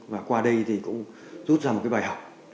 và qua đây thì cũng rút ra một cái bài học